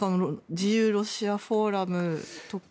自由ロシアフォーラムとか。